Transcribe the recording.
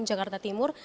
di jakarta timur